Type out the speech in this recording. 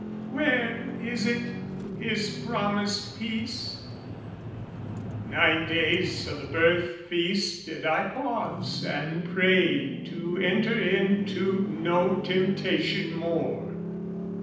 "Where is it, His promised peace?" Nine days o' the Birth Feast did I pause and pray To enter into no temptation more.